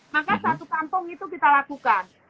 maka satu kampung itu kita lakukan